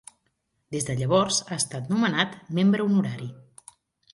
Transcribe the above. Des de llavors ha estat nomenat membre honorari.